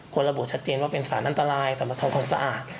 ระบุชัดเจนว่าเป็นสารอันตรายสำหรับทำความสะอาด